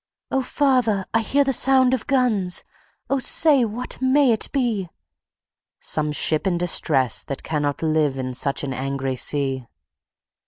"O father! I hear the sound of guns, O say, what may it be?" "Some ship in distress, that cannot live In such an angry sea!"